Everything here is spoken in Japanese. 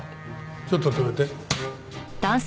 ちょっと止めて。